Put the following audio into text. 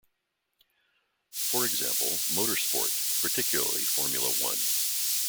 For example, motorsport, particularly Formula One.